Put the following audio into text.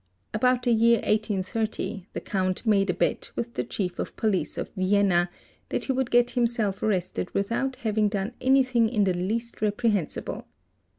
About the year 1830 the Count made a bet with the Chief of | Police of Vienna, that he would get himself arrested without having ) done anything in the least reprehensible.